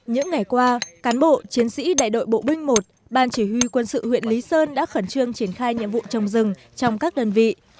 những ngày qua cán bộ chiến sĩ đại đội bộ binh một ban chỉ huy quân sự huyện lý sơn đã khẩn trương triển khai nhiệm vụ trồng rừng trong các đơn vị